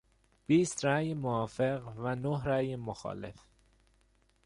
بیست رای موافق و نه رای مخالف